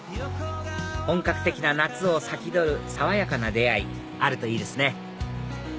本格的な夏を先取る爽やかな出会いあるといいですね